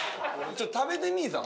ちょっと食べてみいさ。